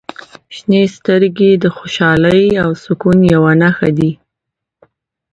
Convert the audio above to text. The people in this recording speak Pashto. • شنې سترګې د خوشحالۍ او سکون یوه نښه دي.